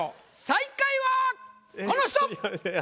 最下位はこの人！